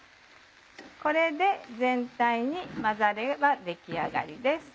これで全体に混ざれば出来上がりです。